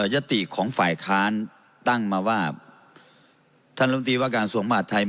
ยติของฝ่ายค้านตั้งมาว่าท่านลมตรีว่าการสวงมหาดไทย